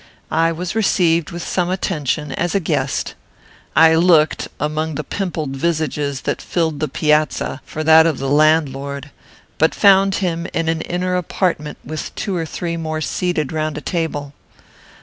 I was received with some attention as a guest. I looked, among the pimpled visages that filled the piazza, for that of the landlord, but found him in an inner apartment with two or three more seated round a table.